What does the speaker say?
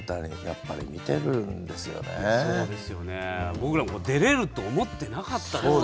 僕らも出れると思ってなかったですからね